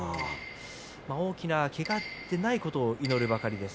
大きなけがでないことを祈るばかりです。